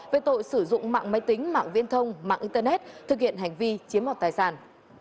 về tội sử dụng mạng máy tính mạng viễn thông mạng internet thực hiện hành vi chiếm mọt tài sản